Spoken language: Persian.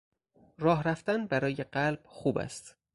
راه رفتن برای قلب خوب است.